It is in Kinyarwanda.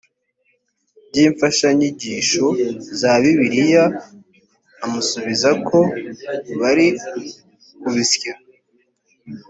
by imfashanyigisho za bibiliya amusubiza ko bari kubisya